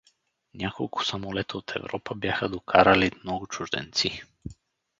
Няколко самолета от Европа бяха докарали много чужденци.